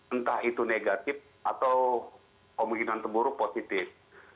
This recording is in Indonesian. entah itu negatif atau kemungkinan terburuk positif